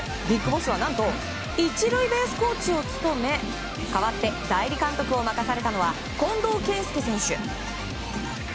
ビッグボスは何と１塁ベースコーチを務め代わって代理監督を任されたのは近藤健介選手。